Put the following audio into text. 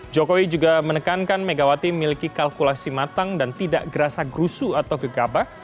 jokowi juga menekankan megawati memiliki kalkulasi matang dan tidak gerasa gerusu atau gegabah